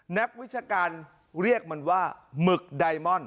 นักวิชาการเรียกมันว่าหมึกไดมอนด